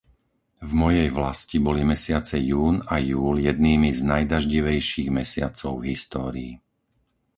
V mojej vlasti boli mesiace jún a júl jednými z najdaždivejších mesiacov v histórii.